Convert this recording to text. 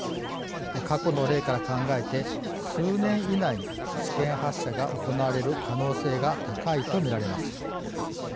過去の例から考えて数年以内に試験発射が行われる可能性が高いと見られます。